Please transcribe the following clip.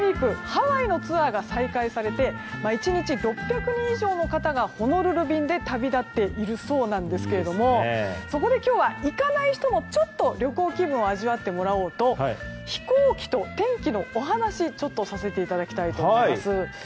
ハワイのツアーが再開されて１日６００人以上の方がホノルル便で旅立っているそうなんですがそこで今日は行かない人もちょっと旅行気分を味わってもらおうと飛行機と天気のお話、ちょっとさせていただきたいと思います。